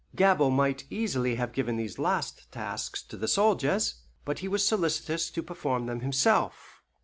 Gabord might easily have given these last tasks to the soldiers, but he was solicitous to perform them himself.